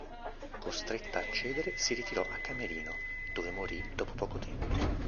Costretta a cedere, si ritirò a Camerino, dove morì dopo poco tempo.